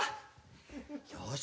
よし。